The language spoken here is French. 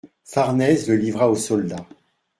Farnèse le livra aux soldats.